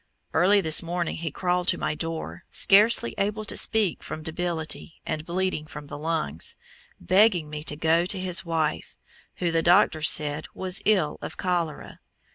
Early this morning he crawled to my door, scarcely able to speak from debility and bleeding from the lungs, begging me to go to his wife, who, the doctor said was ill of cholera.